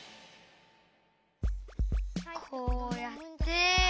こうやって。